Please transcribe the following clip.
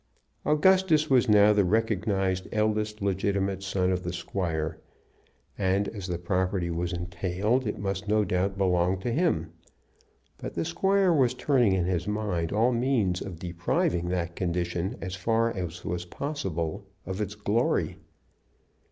Augustus was now the recognized eldest legitimate son of the squire; and as the property was entailed it must no doubt belong to him. But the squire was turning in his mind all means of depriving that condition as far as was possible of its glory.